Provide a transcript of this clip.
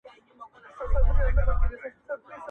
سفر انسان ته نوې تجربې ورکوي